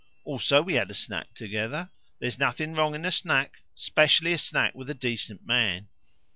Also, we had a snack together. There is nothing wrong in a snack especially a snack with a decent man."